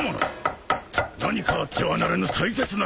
何かあってはならぬ大切な客人たち。